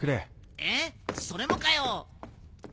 えっそれもかよ！